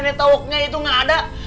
nenek tauknya itu gak ada